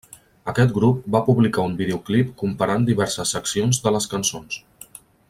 Aquest grup va publicar un videoclip comparant diverses seccions de les cançons.